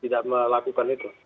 tidak lakukan itu